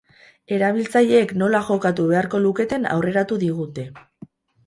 Erabiltzaileek nola jokatu beharko luketen aurreratu digute.